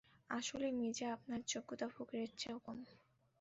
আসলেই মির্জা আপনার যোগ্যতা, ফকিরের চেয়েও কম।